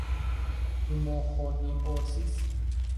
นิวโมโคนิโอซิส